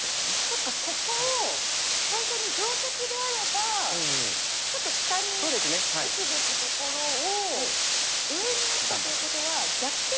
そっかここを最初に定石であればちょっと下に打つべきところを上に打ったということは弱点が。